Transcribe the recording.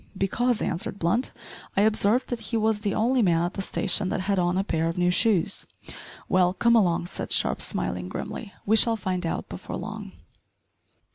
"Because," answered Blunt, "I observed that he was the only man at the station that had on a pair of new shoes!" "Well, come along," said Sharp, smiling grimly, "we shall find out before long."